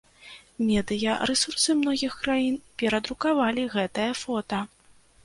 Медыярэсурсы многіх краін перадрукоўвалі гэтае фота.